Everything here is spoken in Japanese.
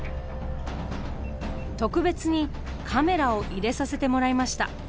特別にカメラを入れさせてもらいました。